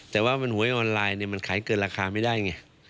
แต่ว่ามันหวยออนไลน์เนี่ยมันขายเกินราคาไม่ได้ไง